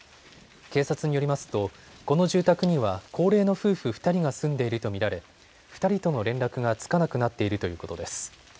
警察によりますとこの住宅には高齢の夫婦２人が住んでいると見られ２人との連絡がつかなくなっているということです。